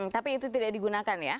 tapi itu tidak digunakan ya